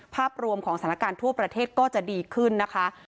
ภาพรวมของสถานการณ์ทั่วประเทศก็จะดีขึ้นนะคะ